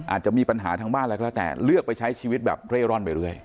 อาจจะมีปัญหาทางบ้านอะไรก็แล้วแต่เลือกไปใช้ชีวิตแบบเร่ร่อนไปเรื่อย